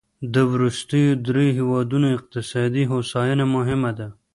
د وروستیو دریوو هېوادونو اقتصادي هوساینه مهمه ده.